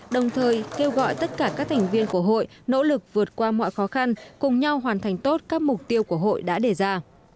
đồng thời kêu gọi tất cả các thành viên của hội nỗ lực vượt qua mọi khó khăn cùng nhau hoàn thành tốt các mục tiêu của hội đã đề ra